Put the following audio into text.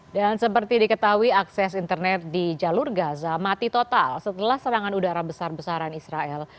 dan seperti diketahui akses internet di jalur gaza mati total setelah serangan udara besar besaran israel